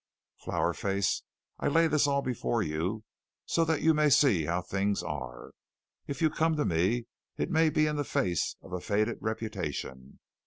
"Flower Face, I lay this all before you so that you may see how things are. If you come to me it may be in the face of a faded reputation.